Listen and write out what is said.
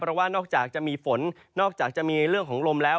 เพราะว่านอกจากจะมีฝนนอกจากจะมีเรื่องของลมแล้ว